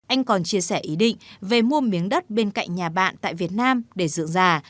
anh còn chia sẻ ý định về mua miếng đất bên cạnh nhà bạn tại việt nam để dự già